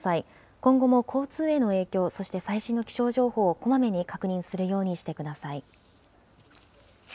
今後も交通への影響、そして最新の気象情報をこまめに確認するようにしてください。